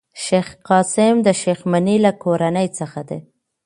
شېخ قاسم د شېخ مني له کورنۍ څخه دﺉ.